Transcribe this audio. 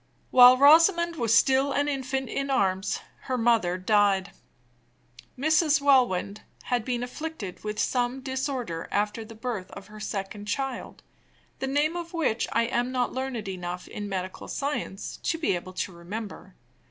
While Rosamond was still an infant in arms, her mother died. Mrs. Welwyn had been afflicted with some disorder after the birth of her second child, the name of which I am not learned enough in medical science to be able to remember.